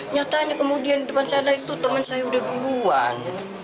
nyatanya kemudian depan sana itu teman saya udah duluan